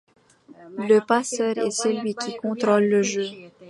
Le passeur est celui qui contrôle le jeu.